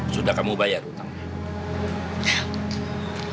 sudah kamu bayar hutangnya